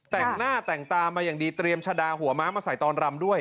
แต่งหน้าแต่งตามาอย่างดีเตรียมชะดาหัวม้ามาใส่ตอนรำด้วย